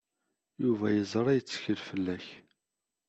Yuba yeẓra yettkel fell-ak.